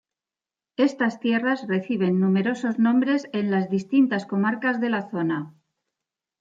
Estas tierras reciben numerosos nombres en las distintas comarcas de la zona.